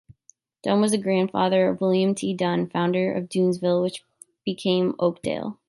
Dunn was the grandfather of William T. Dunn, founder of Dunnsville, which became Oakdale.